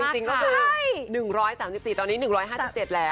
จริงก็คือ๑๓๔ตอนนี้๑๕๗แล้ว